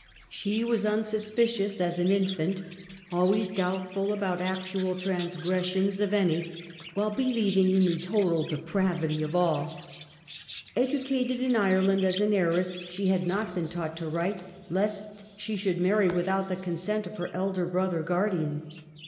She was unsuspicious as an infant, always doubtful about "actual transgressions" of any, while believing in the total depravity of all. Educated in Ireland as an heiress, she had not been taught to write, lest she should marry without the consent of her elder brother guardian.